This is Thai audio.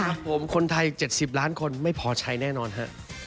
ครับผมคนไทย๗๐ล้านคนไม่พอใช้แน่นอนฮะ